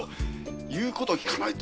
言うこと聞かないと！